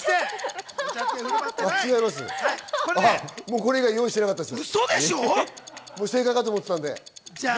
これ以外、用意してなかったです。